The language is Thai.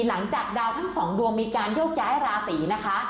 หลังจากดาวทั้งสองดวงมีการโยกย้ายราศีนะคะ